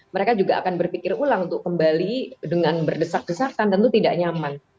mereka juga akan berpikir ulang untuk kembali dengan berdesak desakan tentu tidak nyaman